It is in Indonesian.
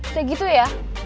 udah gitu ya